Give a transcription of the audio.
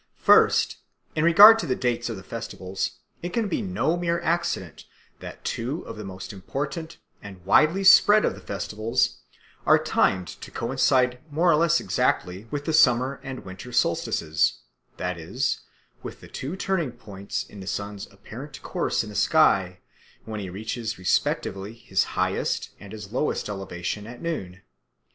First, in regard to the dates of the festivals it can be no mere accident that two of the most important and widely spread of the festivals are timed to coincide more or less exactly with the summer and winter solstices, that is, with the two turning points in the sun's apparent course in the sky when he reaches respectively his highest and his lowest elevation at noon.